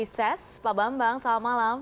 pak bambang selamat malam